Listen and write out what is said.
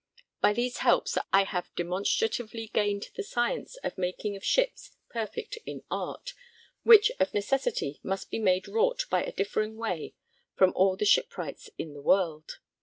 By these helps I have demonstratively gained the science of making of ships perfect in Art, which of necessity must be made wrought by a differing way from all the Shipwrights in the world.